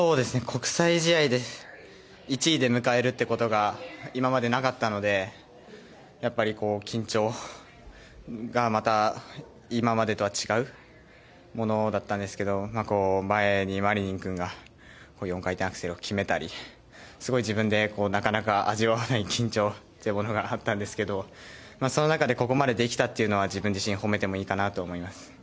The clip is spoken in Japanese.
国際試合で１位で迎えるということが今までなかったのでやっぱり緊張がまた今までとは違うものだったんですけど前にマリニン君が４回転アクセルを決めたりすごい自分でなかなか味合わない緊張があったんですがその中でここまでできたというのは自分自身を褒めてもいいかなと思います。